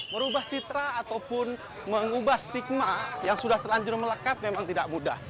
merubah citra ataupun mengubah stigma yang sudah terlanjur melekat memang tidak mudah